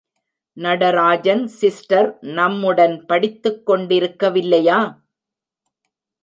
Natarajan sister நம்முடன் படித்துக் கொண்டிருக்க வில்லையா?